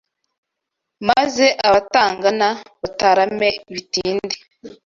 Maze abatangana batarame bitinde